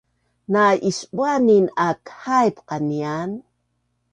Na’isbuanin aak haip qanian